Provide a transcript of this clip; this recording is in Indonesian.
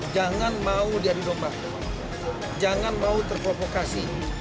jangan mau diadu domba jangan mau terprovokasi